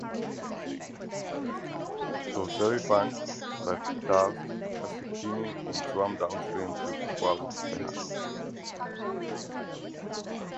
So Seri Pahang left Tasik Chini and swam downstream to Kuala Pahang.